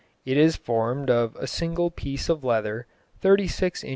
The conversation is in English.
It is formed of a single piece of leather, 36 in.